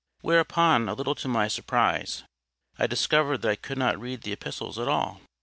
Whereupon, a little to my surprise, I discovered that I could not read the Epistles at all.